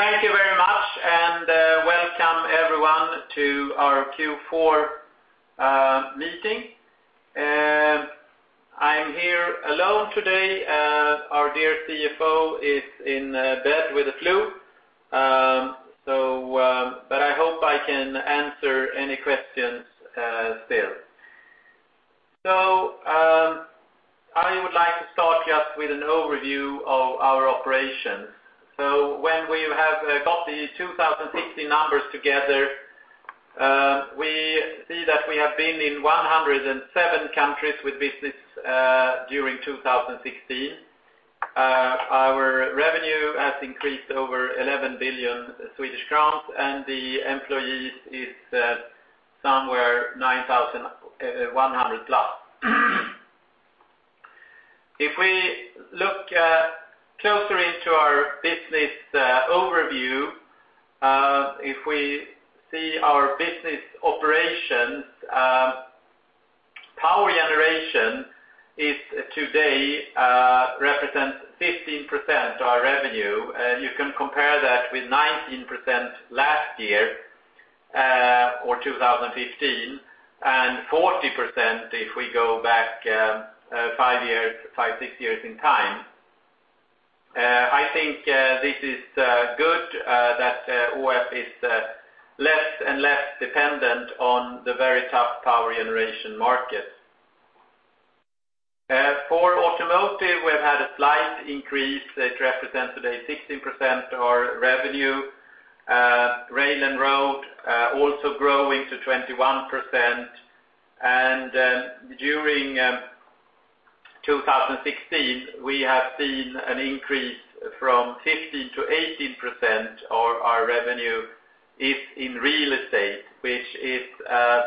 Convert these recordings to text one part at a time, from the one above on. Thank you very much. Welcome everyone to our Q4 meeting. I'm here alone today. Our dear CFO is in bed with the flu. I hope I can answer any questions still. I would like to start just with an overview of our operation. When we have got the 2016 numbers together, we see that we have been in 107 countries with business during 2016. Our revenue has increased over 11 billion Swedish crowns and the employees is somewhere 9,100+. If we look closer into our business overview, if we see our business operations, power generation today represents 15% of our revenue. You can compare that with 19% last year, or 2015, and 40% if we go back 5, 6 years in time. I think this is good that ÅF is less and less dependent on the very tough power generation market. For automotive, we've had a slight increase, which represents today 16% of our revenue. Rail & Road also growing to 21%. During 2016, we have seen an increase from 15%-18% of our revenue is in real estate, which is a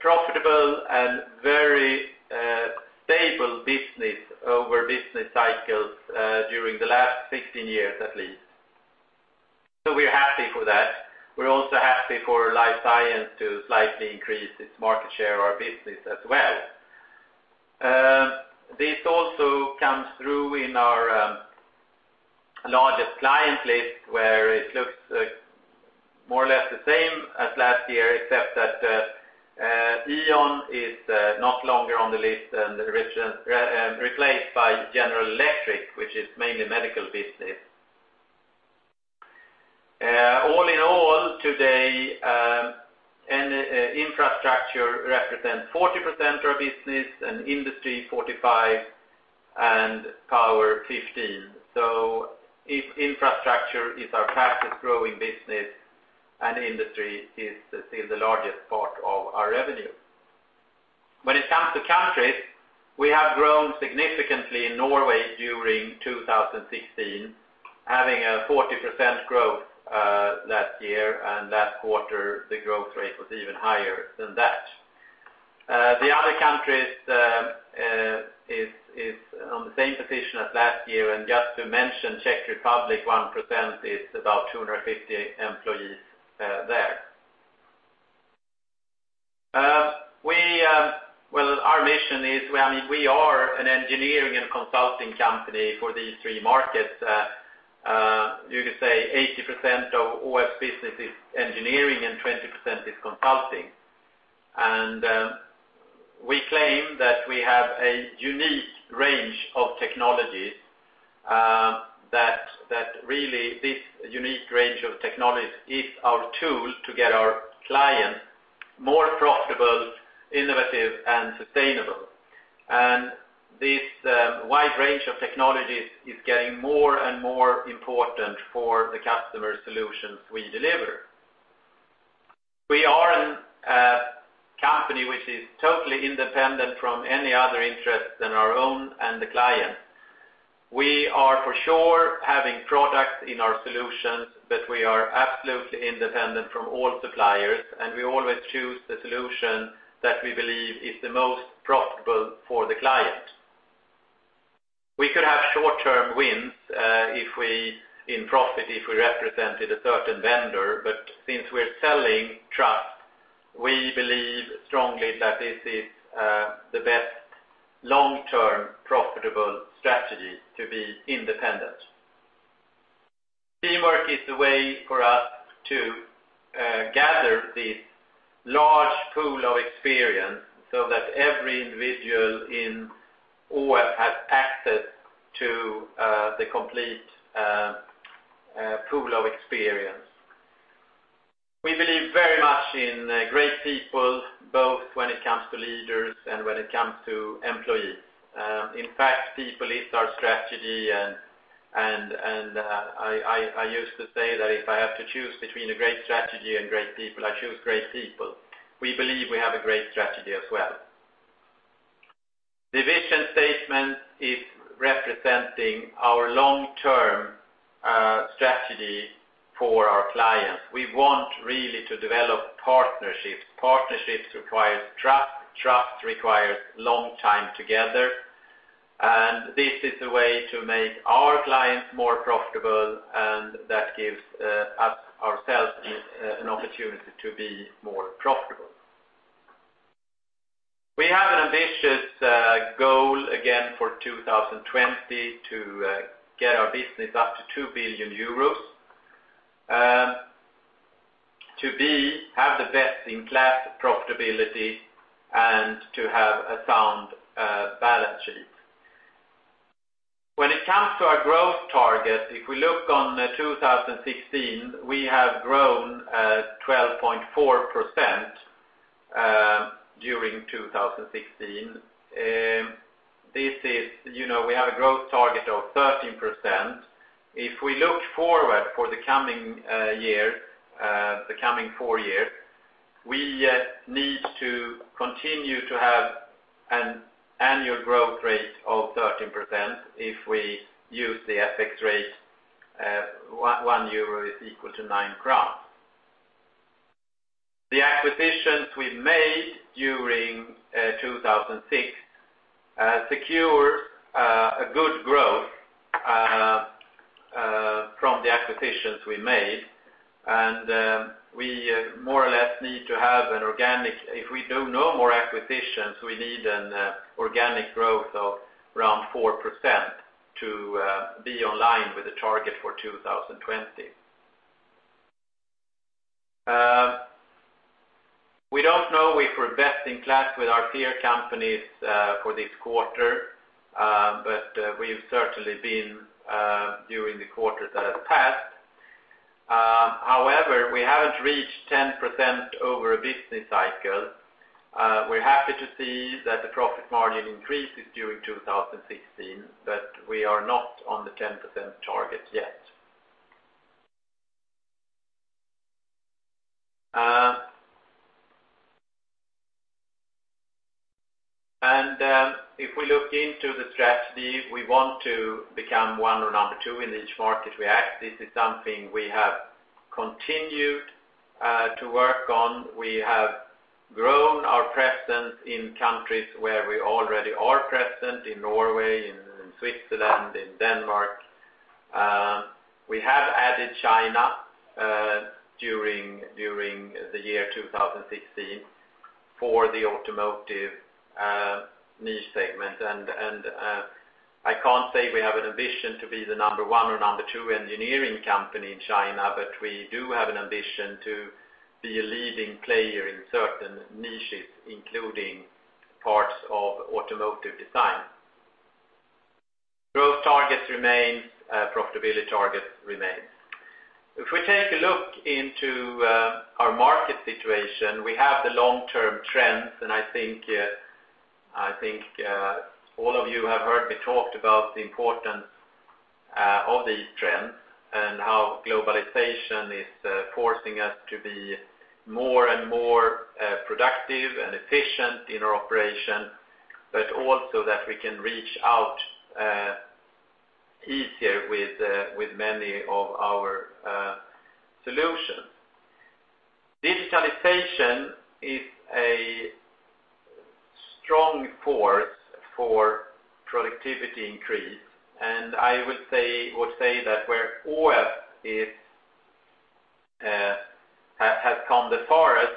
profitable and very stable business over business cycles during the last 16 years at least. We're happy for that. We're also happy for life science to slightly increase its market share of our business as well. This also comes through in our largest client list, where it looks more or less the same as last year, except that E.ON is no longer on the list and replaced by General Electric, which is mainly medical business. All in all today, infrastructure represents 40% of our business, and industry 45%, and power 15%. Infrastructure is our fastest growing business, and industry is still the largest part of our revenue. When it comes to countries, we have grown significantly in Norway during 2016, having a 40% growth last year, and last quarter the growth rate was even higher than that. The other countries is on the same position as last year, and just to mention, Czech Republic, 1%, it's about 250 employees there. Our mission is we are an engineering and consulting company for these three markets. You could say 80% of ÅF's business is engineering and 20% is consulting. We claim that we have a unique range of technologies, that really this unique range of technologies is our tool to get our clients more profitable, innovative, and sustainable. This wide range of technologies is getting more and more important for the customer solutions we deliver. We are a company which is totally independent from any other interest than our own and the client. We are for sure having products in our solutions. We are absolutely independent from all suppliers, and we always choose the solution that we believe is the most profitable for the client. We could have short-term wins in profit if we represented a certain vendor. Since we're selling trust, we believe strongly that this is the best long-term profitable strategy to be independent. Teamwork is the way for us to gather this large pool of experience so that every individual in ÅF has access to the complete pool of experience. We believe very much in great people, both when it comes to leaders and when it comes to employees. In fact, people is our strategy, and I used to say that if I have to choose between a great strategy and great people, I choose great people. We believe we have a great strategy as well. The vision statement is representing our long-term strategy for our clients. We want really to develop partnerships. Partnerships requires trust requires long time together, and this is a way to make our clients more profitable, and that gives us, ourselves, an opportunity to be more profitable. We have an ambitious goal again for 2020 to get our business up to €2 billion. To have the best-in-class profitability, and to have a sound balance sheet. When it comes to our growth target, if we look on 2016, we have grown 12.4% during 2016. We have a growth target of 13%. If we look forward for the coming four years, we need to continue to have an annual growth rate of 13% if we use the FX rate, €1 is equal to 9 crowns. The acquisitions we made during 2016 secured a good growth from the acquisitions we made. If we do no more acquisitions, we need an organic growth of around 4% to be online with the target for 2020. We don't know if we're best in class with our peer companies for this quarter, but we've certainly been during the quarters that have passed. However, we haven't reached 10% over a business cycle. We're happy to see that the profit margin increases during 2016, but we are not on the 10% target yet. If we look into the strategy, we want to become number 1 or number 2 in each market we act. This is something we have continued to work on. We have grown our presence in countries where we already are present, in Norway, in Switzerland, in Denmark. We have added China during the year 2016 for the automotive niche segment. I can't say we have an ambition to be the number 1 or number 2 engineering company in China, but we do have an ambition to be a leading player in certain niches, including parts of automotive design. Growth targets remain, profitability targets remain. If we take a look into our market situation, we have the long-term trends, and I think all of you have heard me talked about the importance of these trends and how globalization is forcing us to be more and more productive and efficient in our operation, but also that we can reach out easier with many of our solutions. Digitalization is a strong force for productivity increase, and I would say that where ÅF has come the farthest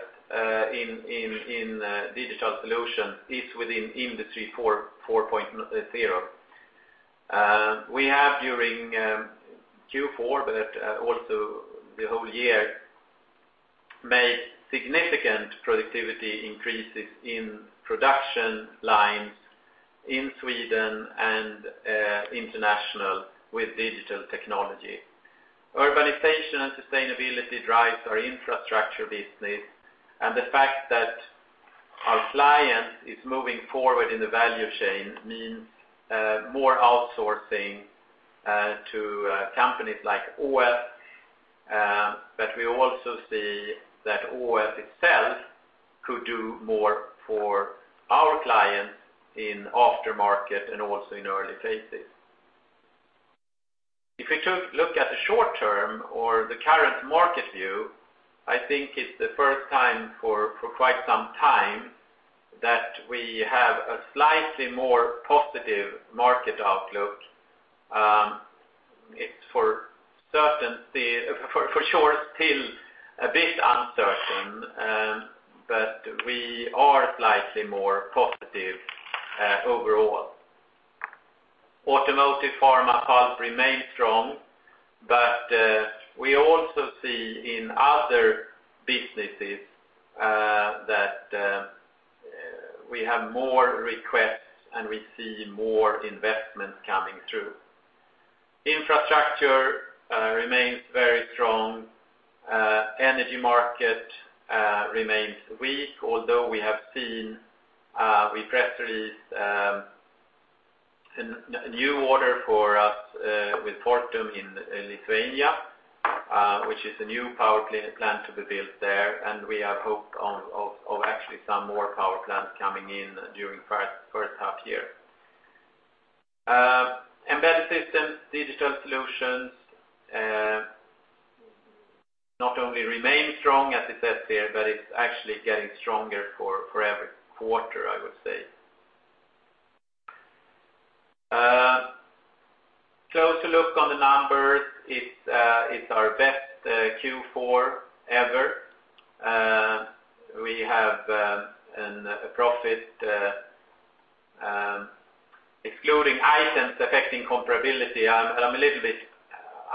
in digital solutions is within Industry 4.0. We have, during Q4, but also the whole year, made significant productivity increases in production lines in Sweden and international with digital technology. Urbanization and sustainability drives our infrastructure business, and the fact that our client is moving forward in the value chain means more outsourcing to companies like ÅF. But we also see that ÅF itself could do more for our clients in aftermarket and also in early phases. If we look at the short-term or the current market view, I think it's the first time for quite some time that we have a slightly more positive market outlook. It's for sure still a bit uncertain, but we are slightly more positive overall. Automotive, pharma, pulp remain strong, but we also see in other businesses that we have more requests, and we see more investments coming through. Infrastructure remains very strong. Energy market remains weak, although we press release a new order for us with Fortum in Lithuania which is a new power plant to be built there, and we have hoped of actually some more power plants coming in during first half-year. Embedded systems, digital solutions, not only remain strong as it says here, but it's actually getting stronger for every quarter, I would say. It's our best Q4 ever. We have a profit excluding items affecting comparability. I'm a little bit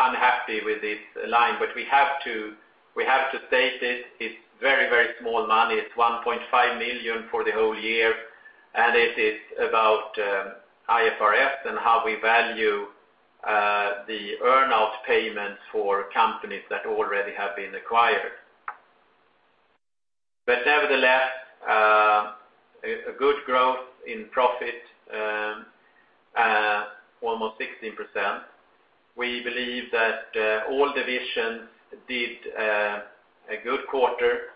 unhappy with this line, we have to state it. It's very small money. It's 1.5 million for the whole year, it is about IFRS and how we value the earn out payments for companies that already have been acquired. Nevertheless, a good growth in profit, almost 16%. We believe that all divisions did a good quarter.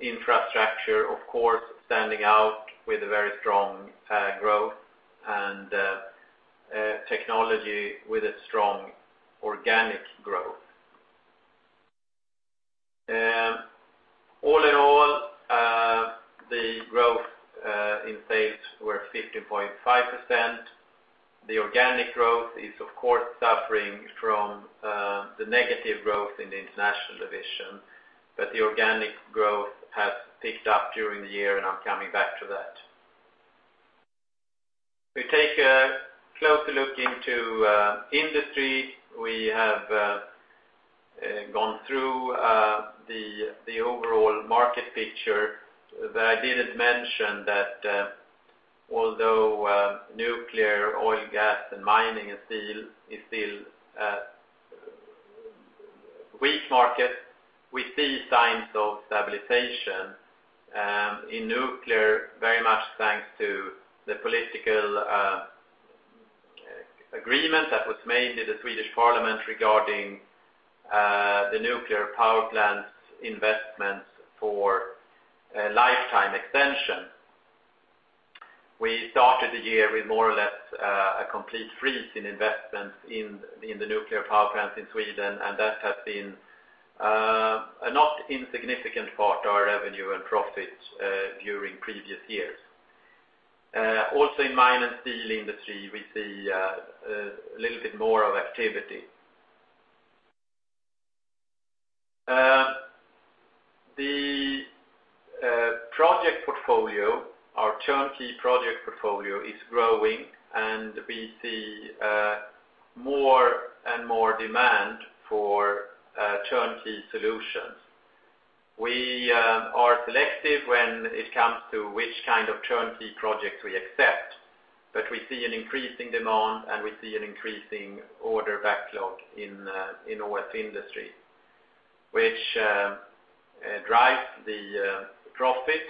Infrastructure, of course, standing out with a very strong growth, and technology with a strong organic growth. All in all, the growth in sales were 15.5%. The organic growth is, of course, suffering from the negative growth in the international division, the organic growth has picked up during the year, and I'm coming back to that. We take a closer look into industry. We have gone through the overall market picture, I didn't mention that although nuclear, oil, gas, and mining is still a weak market, we see signs of stabilization in nuclear, very much thanks to the political agreement that was made in the Swedish parliament regarding the nuclear power plant's investments for lifetime extension. We started the year with more or less a complete freeze in investments in the nuclear power plants in Sweden, that has been a not insignificant part of our revenue and profits during previous years. Also in mine and steel industry, we see a little bit more of activity. The project portfolio, our turnkey project portfolio, is growing, we see more and more demand for turnkey solutions. We are selective when it comes to which kind of turnkey projects we accept, we see an increasing demand, and we see an increasing order backlog in ÅF industry, which drives the profit.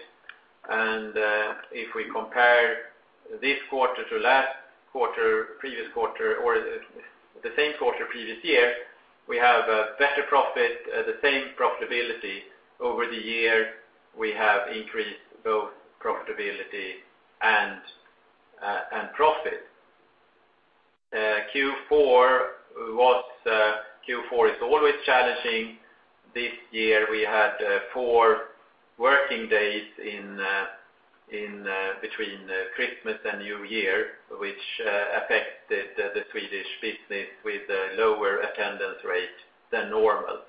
If we compare this quarter to last quarter, previous quarter, or the same quarter previous year, we have a better profit, the same profitability. Over the year, we have increased both profitability and profit. Q4 is always challenging. This year, we had four working days between Christmas and New Year, which affected the Swedish business with a lower attendance rate than normal.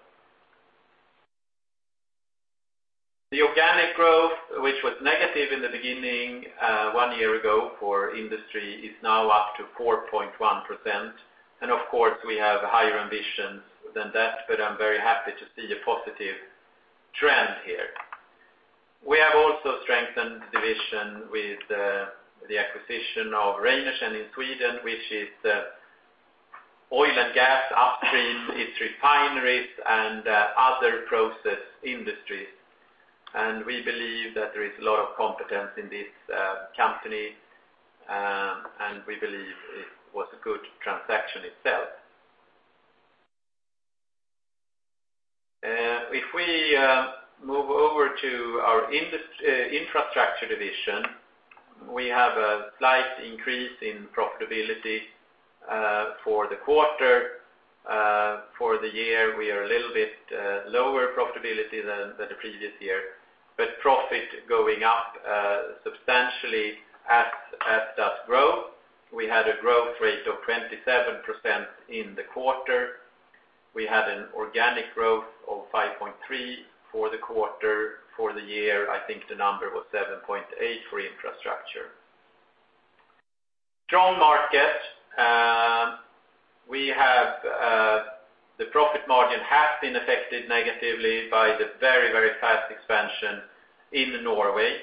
The organic growth, which was negative in the beginning one year ago for industry, is now up to 4.1%. Of course, we have higher ambitions than that, I'm very happy to see a positive trend here. We have also strengthened the division with the acquisition of Reinertsen in Sweden, which is oil and gas upstream, it's refineries and other process industries. We believe that there is a lot of competence in this company, and we believe it was a good transaction itself. If we move over to our infrastructure division, we have a slight increase in profitability for the quarter. For the year, we are a little bit lower profitability than the previous year, but profit going up substantially as does growth. We had a growth rate of 27% in the quarter. We had an organic growth of 5.3% for the quarter. For the year, I think the number was 7.8% for infrastructure. Strong market. The profit margin has been affected negatively by the very fast expansion in Norway.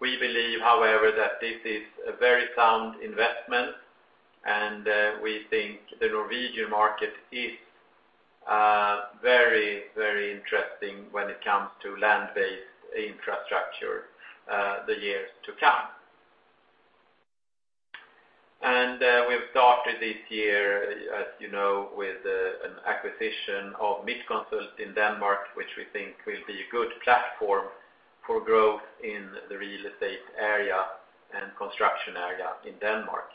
We believe, however, that this is a very sound investment, and we think the Norwegian market is very interesting when it comes to land-based infrastructure the years to come. We've started this year, as you know, with an acquisition of Midtconsult in Denmark, which we think will be a good platform for growth in the real estate area and construction area in Denmark.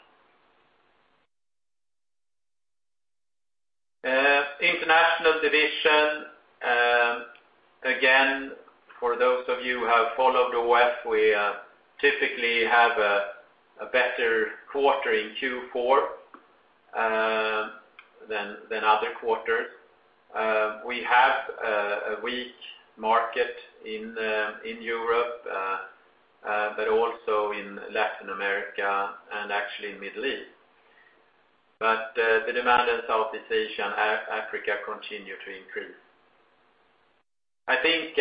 International division Again, for those of you who have followed ÅF, we typically have a better quarter in Q4 than other quarters. We have a weak market in Europe, but also in Latin America and actually in Middle East. The demand in Southeast Asia and Africa continue to increase. I think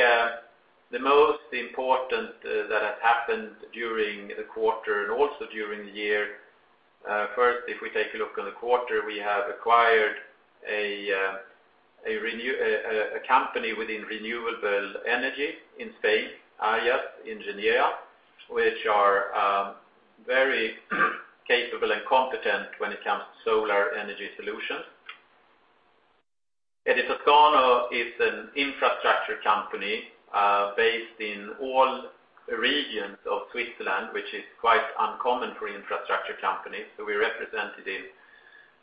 the most important that has happened during the quarter and also during the year, first, if we take a look on the quarter, we have acquired a company within renewable energy in Spain, ARIES Ingeniería y Sistemas, which are very capable and competent when it comes to solar energy solutions. Edy Toscano AG is an infrastructure company based in all regions of Switzerland, which is quite uncommon for infrastructure companies. We're represented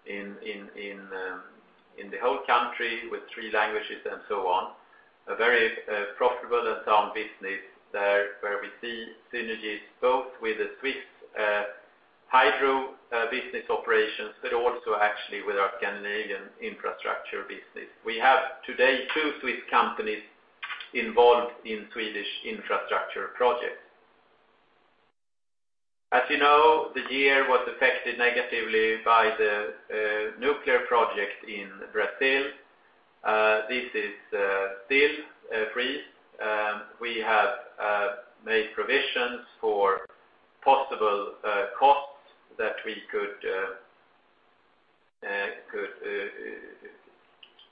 in the whole country with three languages and so on. A very profitable and sound business there where we see synergies both with the Swiss hydro business operations, but also actually with our Canadian infrastructure business. We have today two Swiss companies involved in Swedish infrastructure projects. As you know, the year was affected negatively by the nuclear project in Brazil. This is still free. We have made provisions for possible costs that we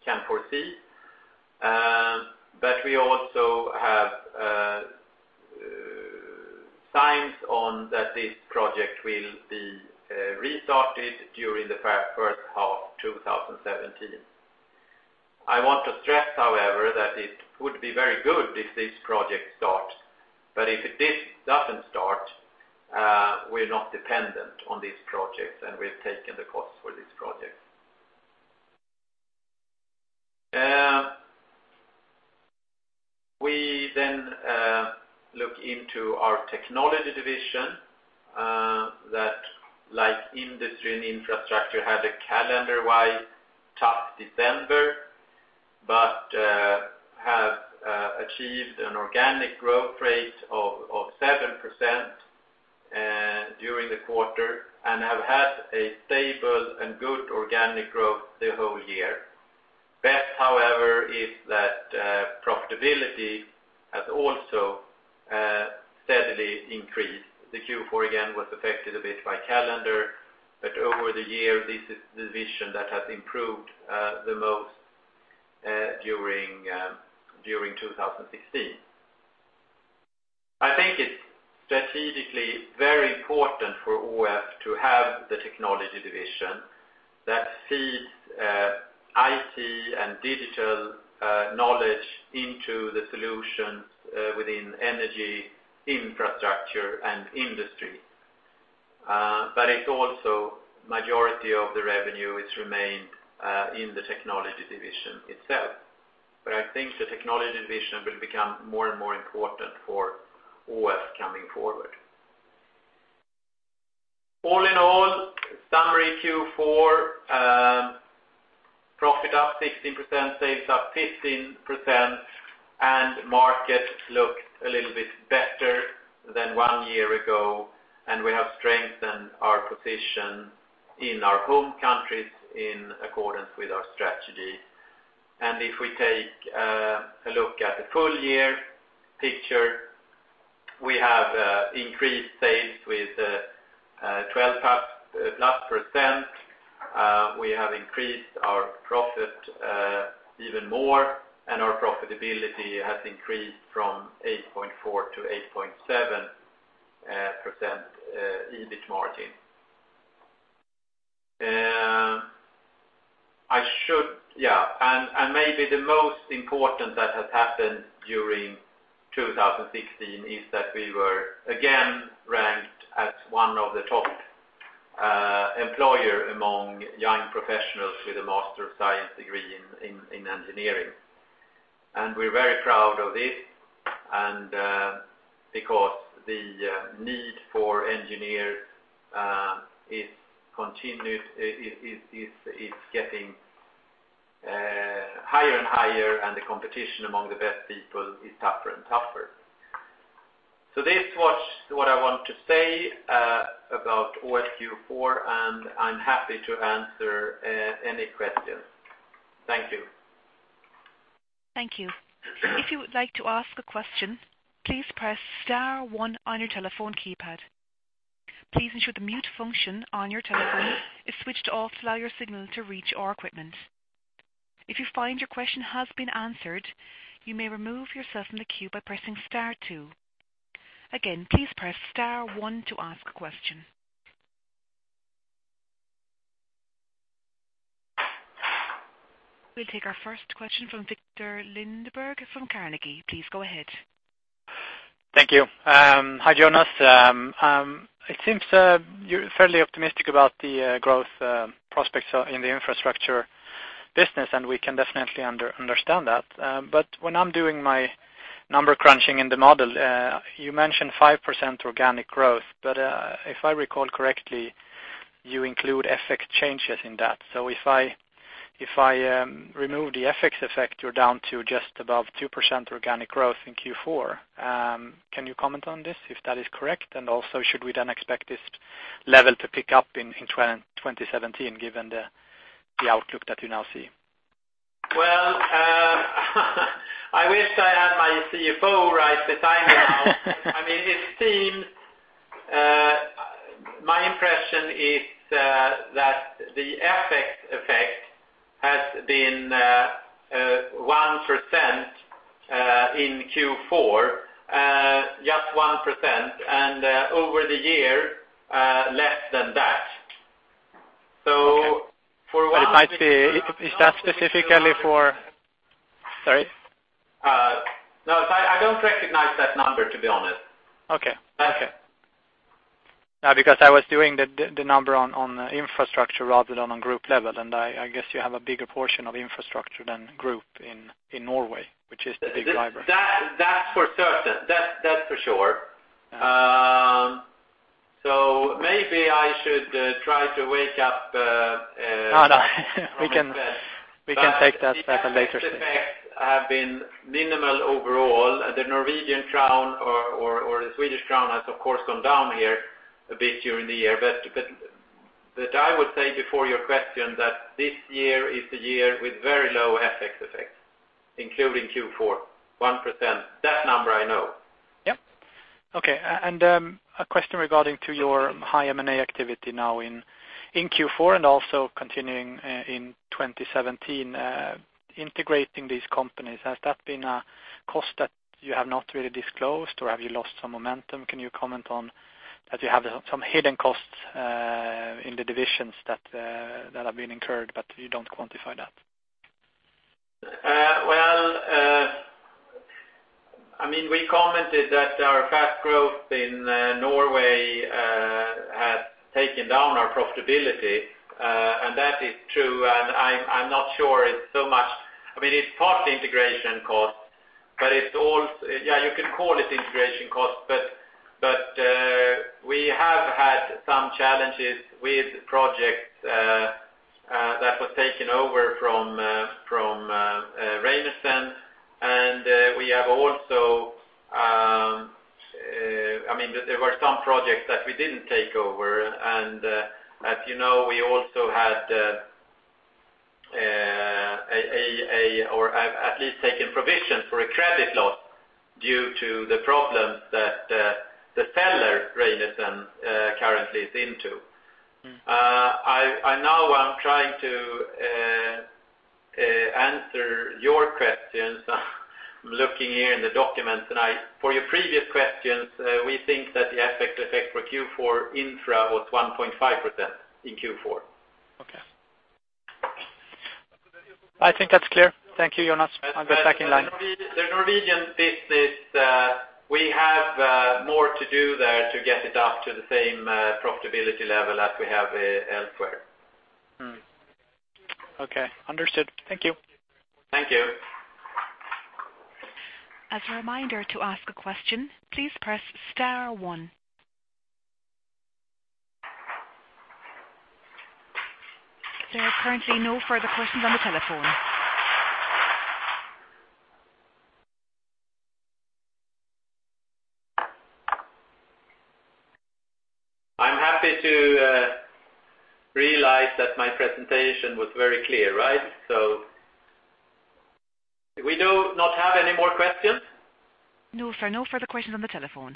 can foresee. We also have signs on that this project will be restarted during the first half 2017. I want to stress, however, that it would be very good if this project starts. If this doesn't start, we're not dependent on these projects, and we've taken the cost for this project. We look into our technology division, that like industry and infrastructure, had a calendar-wide tough December, but have achieved an organic growth rate of 7% during the quarter and have had a stable and good organic growth the whole year. Best, however, is that profitability has also steadily increased. The Q4 again was affected a bit by calendar, but over the year, this is the division that has improved the most during 2016. I think it's strategically very important for ÅF to have the technology division that feeds IT and digital knowledge into the solutions within energy, infrastructure, and industry. It's also majority of the revenue it's remained in the technology division itself. But I think the technology division will become more and more important for ÅF coming forward. All in all, summary Q4, profit up 16%, sales up 15%, market looked a little bit better than one year ago, and we have strengthened our position in our home countries in accordance with our strategy. If we take a look at the full year picture, we have increased sales with 12+%. We have increased our profit even more, and our profitability has increased from 8.4% to 8.7% EBIT margin. Maybe the most important that has happened during 2016 is that we were again ranked as one of the top employer among young professionals with a Master of Science degree in engineering. We're very proud of this and because the need for engineers is getting higher and higher, and the competition among the best people is tougher and tougher. This was what I want to say about ÅF Q4, and I'm happy to answer any questions. Thank you. Thank you. If you would like to ask a question, please press star one on your telephone keypad. Please ensure the mute function on your telephone is switched off to allow your signal to reach our equipment. If you find your question has been answered, you may remove yourself from the queue by pressing star two. Again, please press star one to ask a question. We'll take our first question from Victor Lundeberg from Carnegie. Please go ahead. Thank you. Hi, Jonas. It seems you're fairly optimistic about the growth prospects in the infrastructure business, and we can definitely understand that. When I'm doing my number crunching in the model, you mentioned 5% organic growth. If I recall correctly, you include FX changes in that. If I remove the FX effect, you're down to just above 2% organic growth in Q4. Can you comment on this, if that is correct? Also should we then expect this level to pick up in 2017 given the outlook that you now see? Well, I wish I had my CFO right beside me now. My impression is that the FX effect has been 1% in Q4, just 1%, and over the year, less than that. Okay. Is that specifically Sorry. No, I don't recognize that number, to be honest. Okay. Thank you. Because I was doing the number on infrastructure rather than on group level, and I guess you have a bigger portion of infrastructure than group in Norway, which is the big driver. That's for sure. Maybe I should try to wake up from my bed. We can take that back later. The FX effects have been minimal overall. The Norwegian crown or the Swedish crown has, of course, come down here a bit during the year. I would say before your question that this year is the year with very low FX effects, including Q4, 1%. That number I know. Yep. Okay. A question regarding to your high M&A activity now in Q4 and also continuing in 2017. Integrating these companies, has that been a cost that you have not really disclosed, or have you lost some momentum? Can you comment on that you have some hidden costs in the divisions that have been incurred, but you don't quantify that? We commented that our fast growth in Norway has taken down our profitability. That is true, and I'm not sure it's so much-- It's partly integration costs. You can call it integration costs, but we have had some challenges with projects that were taken over from Rejlers. There were some projects that we didn't take over, and as you know, we also had at least taken provision for a credit loss due to the problems that the seller, Rejlers, currently is into. Now I'm trying to answer your questions. I'm looking here in the documents. For your previous questions, we think that the FX effect for Q4 infra was 1.5% in Q4. Okay. I think that's clear. Thank you, Jonas. I'll get back in line. The Norwegian business, we have more to do there to get it up to the same profitability level as we have elsewhere. Okay, understood. Thank you. Thank you. As a reminder, to ask a question, please press star one. There are currently no further questions on the telephone. I'm happy to realize that my presentation was very clear. We do not have any more questions? No, sir. No further questions on the telephone.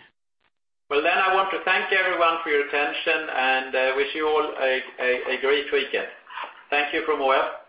I want to thank everyone for your attention and wish you all a great weekend. Thank you from Malmö